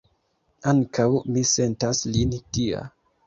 Ankaŭ mi sentas lin tia.